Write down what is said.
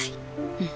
うん。